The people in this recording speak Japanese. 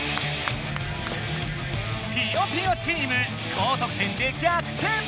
ぴよぴよチーム高得点でぎゃくてん！